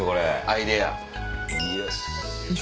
アイデア。